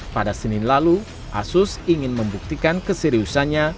pada senin lalu asus ingin membuktikan keseriusannya